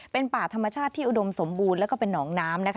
เป็นป่าธรรมชาติที่อุดมสมบูรณ์แล้วก็เป็นหนองน้ำนะคะ